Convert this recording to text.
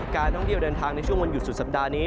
การท่องเที่ยวเดินทางในช่วงวันหยุดสุดสัปดาห์นี้